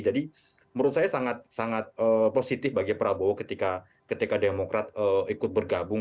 jadi menurut saya sangat positif bagi prabowo ketika demokrat ikut bergabung